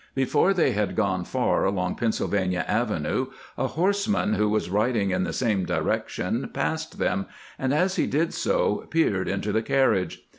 Before they had gone far along Pennsylvania Avenue, a horseman who was riding in the same direc tion passed them, and as he did so peered into the carriage.